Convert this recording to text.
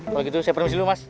kalau gitu saya permisi dulu mas